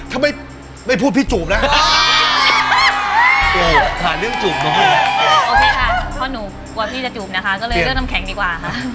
ถ้าไม่พูดพี่จูบนะ